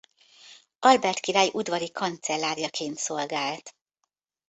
Albert király udvari kancellárjaként szolgált.